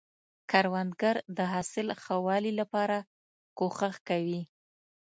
کروندګر د حاصل ښه والي لپاره کوښښ کوي